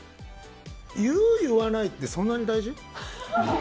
言う、言わないってそんなに大事？